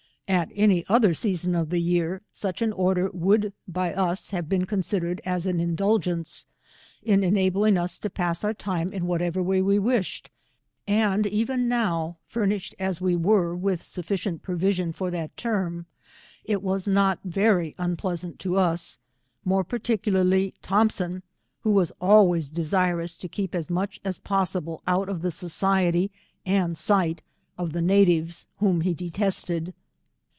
At any other season of the year such an order would by us have been considered as an indul gence, in enabling us to pass, our time in whatever 120 way we wished, and even now, famished as we were, with sufficient provision for that term, it was Dot very unpleasant to us, more particalarly Thompson, who was always desirous to keep as much as possible out of the society and sight of the natives, whom he detested.